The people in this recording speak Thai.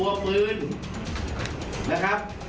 ไม่เคยมาก่อนนะครับ